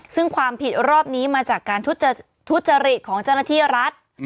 ซึ่งความผิดรอบนี้มาจากการทุษฎิจาศิลักษณะที่รัฐ